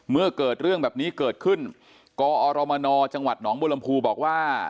เมื่อเกิดเรื่องแบบนี้เกิดขึ้นกอรมนจังหวัดหนองบุรมภูบอกว่า